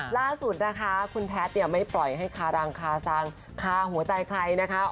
ล่าสุดนะคะคุณแพทย์เนี่ยไม่ปล่อยให้คารังคาซังคาหัวใจใครนะคะ